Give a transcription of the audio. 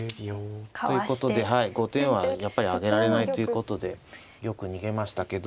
かわして。ということで５点はやっぱりあげられないということで玉逃げましたけど。